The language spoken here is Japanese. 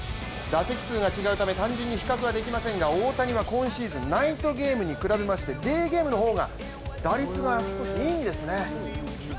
打席数が違うため単純に比較はできませんが大谷は今シーズン、ナイトゲームに比べましてデーゲームの方が、打率が少しいいんですね。